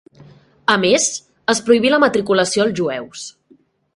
A més, es prohibí la matriculació als jueus.